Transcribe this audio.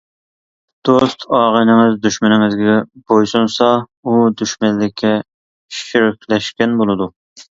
دوست-ئاغىنىڭىز دۈشمىنىڭىزگە بويسۇنسا، ئۇ دۈشمەنلىككە شېرىكلەشكەن بولىدۇ.